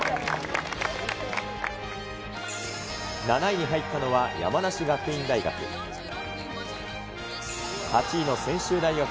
７位に入ったのは山梨学院大学。